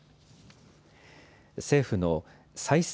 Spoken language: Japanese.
政府の再生